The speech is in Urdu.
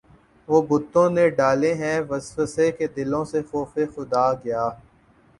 وہ بتوں نے ڈالے ہیں وسوسے کہ دلوں سے خوف خدا گیا